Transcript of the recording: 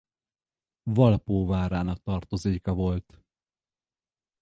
Valpó várának tartozéka volt.